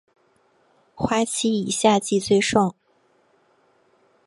花期以夏季最盛。